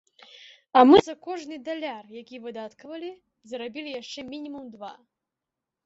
А мы за кожны даляр, які выдаткавалі, зарабілі яшчэ мінімум два.